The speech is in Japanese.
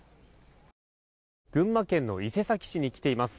群馬県の伊勢崎市に来ています。